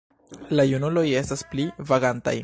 La junuloj estas pli vagantaj.